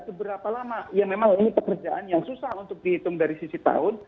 seberapa lama ya memang ini pekerjaan yang susah untuk dihitung dari sisi tahun